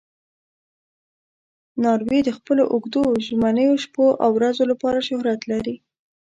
ناروی د خپلو اوږدو ژمنیو شپو او ورځو لپاره شهرت لري.